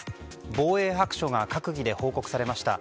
防衛白書が閣議で報告されました。